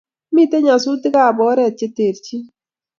Mitei nyasutikab oret che terchin